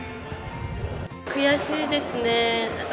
悔しいですね。